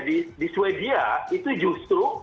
di swedia itu justru